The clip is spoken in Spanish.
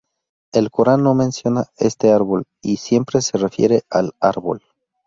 El Corán no menciona este árbol y siempre se refiere al "árbol".